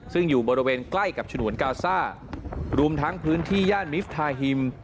ซึ่งอยู่บริเวณใกล้กับฉนวนกาซ่ารวมทั้งพื้นที่ย่านมิฟทาฮิม